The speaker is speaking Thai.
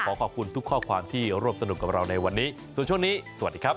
ขอบคุณทุกข้อความที่ร่วมสนุกกับเราในวันนี้ส่วนช่วงนี้สวัสดีครับ